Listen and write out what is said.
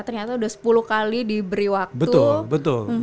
ternyata sudah sepuluh kali diberi waktu